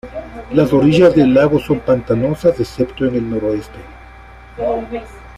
Las orillas del lago son pantanosas excepto en el noroeste.